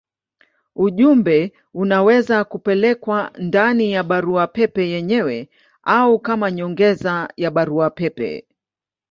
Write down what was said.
Ujumbe unaweza kupelekwa ndani ya barua pepe yenyewe au kama nyongeza ya barua pepe.